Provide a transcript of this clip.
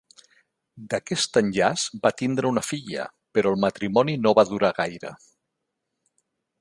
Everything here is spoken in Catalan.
D’aquest enllaç va tindre una filla, però el matrimoni no va durar gaire.